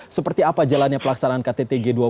seperti apa jalannya pelaksanaan kttg dua puluh